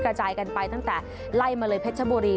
กระจายกันไปตั้งแต่ไล่มาเลยเพชรบุรี